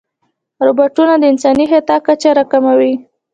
روبوټونه د انساني خطا کچه راکموي.